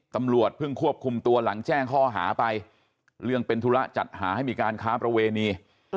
ตำรวจเพิ่งควบคุมตัวหลังแจ้งข้อหาไปเรื่องเป็นธุระจัดหาให้มีการค้าประเวณี